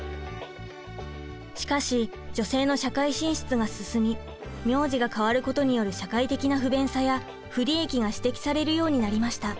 しかし女性の社会進出が進み名字が変わることによる社会的な不便さや不利益が指摘されるようになりました。